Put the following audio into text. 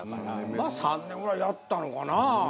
まあ３年ぐらいやったのかな。